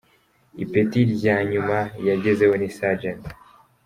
Ipeti lya nyuma yagezeho ni Sergent.